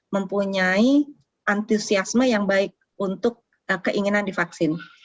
mempunyai antusiasme yang baik untuk keinginan divaksin